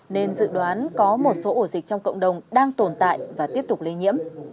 nên dự đoán có một số ổ dịch trong cộng đồng đang tồn tại và tiếp tục lây nhiễm